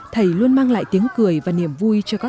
thầy luôn mang lại tiếng cười và niềm vui cho các thầy cô